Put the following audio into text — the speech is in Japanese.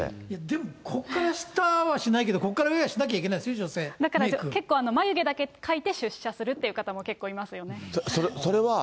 でも、ここから下はしないけどここから上はしないといけないでしょ、女だから一応、結構、眉毛だけ描いて出社するって方も結構いますよね。